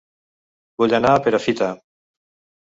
Vull anar a Perafita